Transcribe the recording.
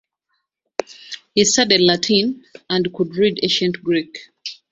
He studied Latin and could read ancient Greek.